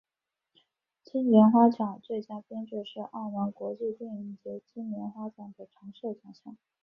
金莲花奖最佳编剧是澳门国际电影节金莲花奖的常设奖项。